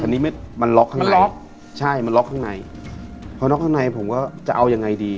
อันนี้ไม่มันล็อกข้างในล็อกใช่มันล็อกข้างในพอล็อกข้างในผมก็จะเอายังไงดี